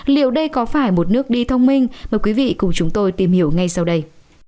liệu đây có phải một nước đi thông minh mời quý vị cùng chúng tôi tìm hiểu ngay sau đây